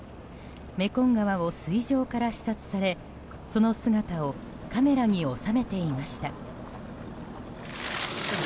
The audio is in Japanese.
メコン川を水上から視察されその姿をカメラに収めていました。